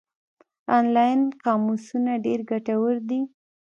آنلاین قاموسونه ډېر ګټور دي.